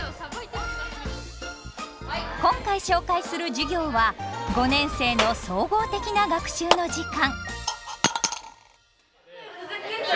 今回紹介する授業は５年生の総合的な学習の時間。